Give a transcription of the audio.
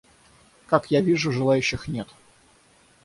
Как я вижу, желающих нет.